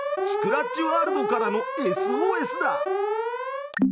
スクラッチワールドからのＳＯＳだ！